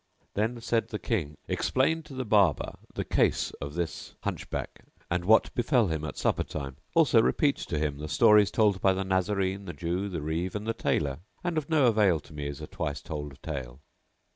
Then said the King, "Explain to the Barber the case of this Hunchback and what befell him at supper time; also repeat to him the stories told by the Nazarene, the Jew, the Reeve, and the Tailor; and of no avail to me is a twice told tale."